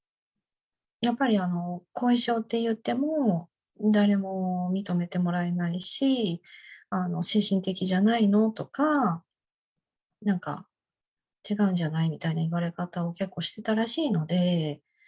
やっぱり後遺症っていっても誰も認めてもらえないし、精神的じゃないの？とか、なんか違うんじゃない？みたいな言われ方を結構してたらしいので。